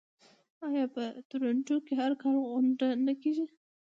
آیا په تورنټو کې هر کال غونډه نه کیږي؟